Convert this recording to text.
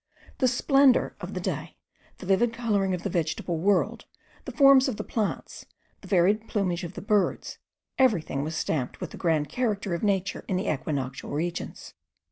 The splendour of the day, the vivid colouring of the vegetable world, the forms of the plants, the varied plumage of the birds, everything was stamped with the grand character of nature in the equinoctial regions.